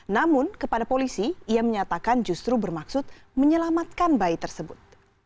namun kepada polisi ia menyatakan justru bermaksud menyelamatkan bayi tersebut